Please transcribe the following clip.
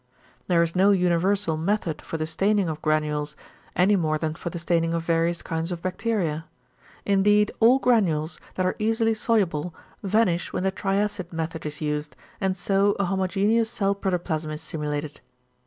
There is no universal method for the staining of granules, any more than for the staining of various kinds of bacteria. Indeed all granules, that are easily soluble, vanish when the triacid method is used, and so a homogeneous cell protoplasm is simulated.